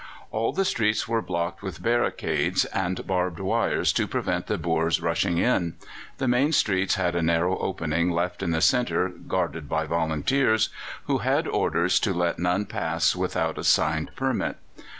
All the streets were blocked with barricades and barbed wires to prevent the Boers rushing in. The main streets had a narrow opening left in the centre guarded by volunteers, who had orders to let none pass without a signed permit.